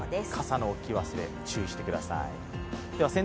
傘の置き忘れ注意してください。